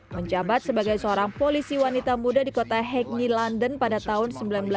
menjabat sebagai seorang polisi wanita muda di kota hackney london pada tahun seribu sembilan ratus sembilan puluh